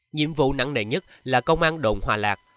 nhiệm vụ nặng nề nhất là công an đồn hòa lạc